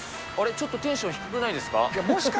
ちょっとテンション低くないですか？